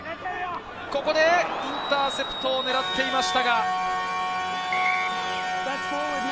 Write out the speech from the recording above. ここでインターセプトを狙っていましたが。